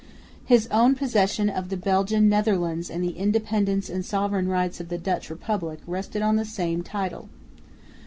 His own possession of the Belgian Netherlands and the independence and sovereign rights of the Dutch Republic rested on the same title.